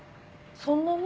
そんなに？